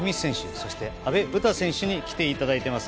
そして、阿部詩選手に来ていただいています。